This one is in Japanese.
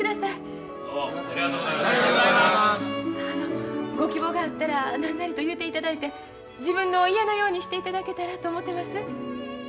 あのご希望があったら何なりと言うていただいて自分の家のようにしていただけたらと思てます。